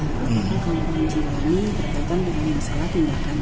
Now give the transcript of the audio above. apakah orang ini mengalami kejahatan yang salah tindakan